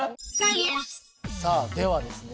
さあではですね